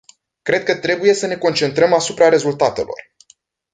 Cred că trebuie să ne concentrăm asupra rezultatelor.